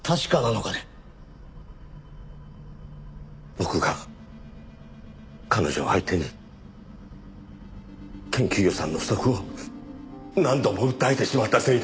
僕が彼女を相手に研究予算の不足を何度も訴えてしまったせいで。